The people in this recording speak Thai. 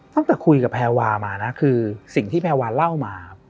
ตั้งแต่คุยกับแพรวามานะคือสิ่งที่แพรวาเล่ามา